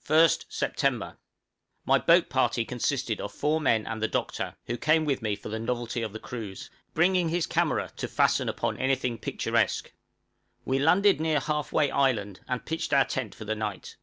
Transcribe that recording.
{SEPT., 1858.} 1st Sept. My boat party consisted of four men and the doctor, who came with me for the novelty of the cruise, bringing his camera to fasten upon any thing picturesque. We landed near Half way Island, and pitched our tent for the night.